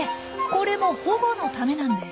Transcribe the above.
これも保護のためなんです。